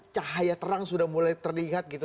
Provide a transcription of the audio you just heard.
cahaya terang sudah mulai terlihat gitu